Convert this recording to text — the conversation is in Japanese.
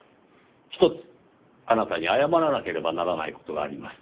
ひとつあなたに謝らなければならない事があります。